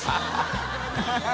ハハハ